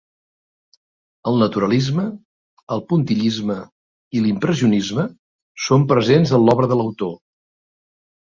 El naturalisme, el puntillisme i l'impressionisme són presents en l'obra de l’autor.